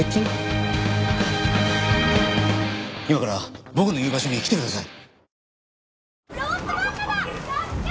今から僕の言う場所に来てください！